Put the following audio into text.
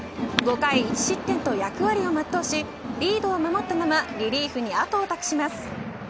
５回１失点と役割を全うしリードを守ったままリリーフに後を託します。